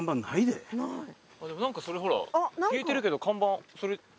でも何かそれほら消えてるけど看板それ違う？